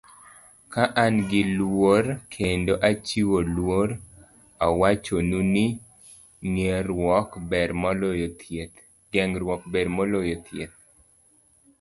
Ka an gi luor kendo achiwo luor, awachonu ni geng'ruok ber moloyo thieth.